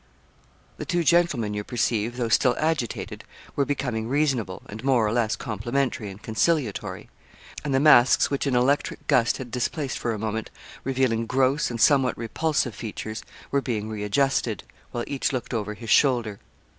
The two gentlemen, you perceive, though still agitated, were becoming reasonable, and more or less complimentary and conciliatory; and the masks which an electric gust had displaced for a moment, revealing gross and somewhat repulsive features, were being readjusted, while each looked over his shoulder.